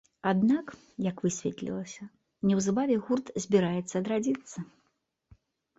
Аднак, як высветлілася, неўзабаве гурт збіраецца адрадзіцца.